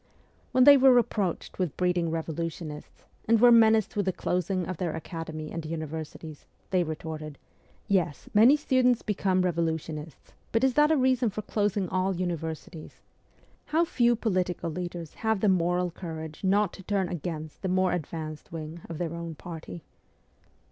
When they were reproached with breeding revolutionists, and were menaced with the closing of their academy and universities, they retorted, ' Yes, many students become revolutionists; but is that a reason for closing all universities ?' How few political leaders have the moral courage not to turn against the more advanced wing of their own party